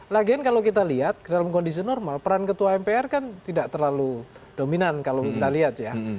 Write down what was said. lagian kalau kita lihat dalam kondisi normal peran ketua mpr kan tidak terlalu dominan kalau kita lihat ya